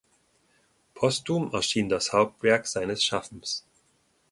Postum erschien das Hauptwerk seines Schaffens